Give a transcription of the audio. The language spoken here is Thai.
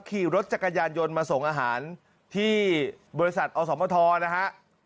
ขี่รถจักรยานยนต์มาส่งอาหารที่บริษัทอสมทรนะฮะ